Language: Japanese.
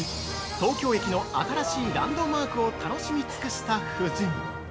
東京駅の新しいランドマークを楽しみ尽くした夫人。